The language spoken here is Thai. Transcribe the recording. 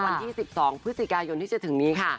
วันที่๑๒พฤศจิกายนที่จะถึงนี้ค่ะ